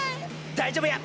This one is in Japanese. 大丈夫や！